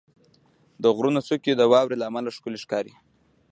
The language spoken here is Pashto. • د غرونو څوکې د واورې له امله ښکلي ښکاري.